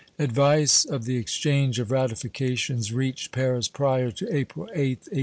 Advice of the exchange of ratifications reached Paris prior to April 8th, 1832.